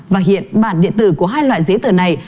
và hiện bản điện tử của hai loại giấy tờ này